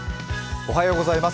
おはようございます。